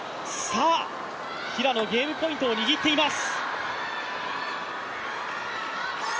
平野、ゲームポイントを握っています。